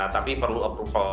tapi perlu approval untuk itu